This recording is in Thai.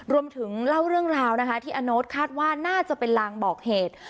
เล่าเรื่องราวนะคะที่อโน๊ตคาดว่าน่าจะเป็นลางบอกเหตุ